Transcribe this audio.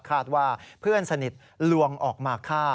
คาดว่าเพื่อนสนิทลวงออกมาฆ่า